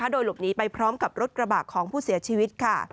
โดยหลบไปพร้อมกับรถกระบากของผู้เสียชีวิต